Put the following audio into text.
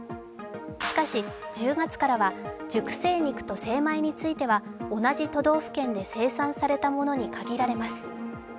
しかし、１０月からは熟成肉と精米については同じ都道府県で生産されたものに限られます。